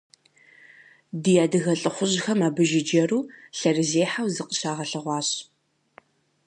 Ди адыгэ лӏыхъужьхэм абы жыджэру, лъэрызехьэу зыкъыщагъэлъэгъуащ.